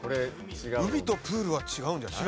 海とプールは違うんじゃない？